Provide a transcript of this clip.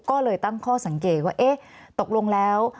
ก็เลยตั้งข้อสังเกตว่าเอ๊ะตกลงแล้ว